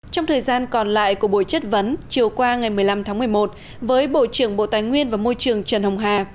trong thời gian còn lại của buổi chất vấn chiều qua ngày một mươi năm tháng một mươi một với bộ trưởng bộ tài nguyên và môi trường trần hồng hà